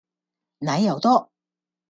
奶油多